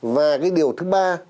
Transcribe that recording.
và cái điều thứ ba